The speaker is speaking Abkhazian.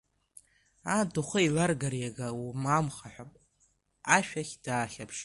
Анҭ ухы еиларгар иага уамхаҳәап, ашәахь даахьаԥшит.